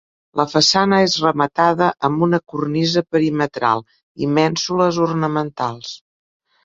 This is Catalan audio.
La façana és rematada amb una cornisa perimetral i mènsules ornamentals.